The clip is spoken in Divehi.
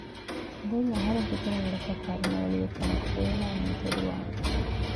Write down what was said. ދެން އަހަރެން ކިތަންމެ ވަރަކަށް ކަރުނަ އެޅިއެއް ކަމަކު އޭނާއެއް ނުތެދުވާނެ